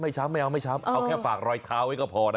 ช้ำไม่เอาไม่ช้ำเอาแค่ฝากรอยเท้าไว้ก็พอนะ